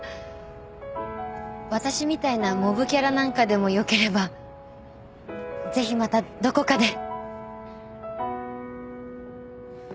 私みたいなモブキャラなんかでもよければぜひまたどこかで。